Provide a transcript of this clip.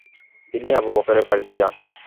তিনি আবু বকরের বাড়িতে যান।